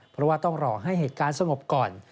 เพราะว่าต้องรอให้เหตุการณ์สงบก่อน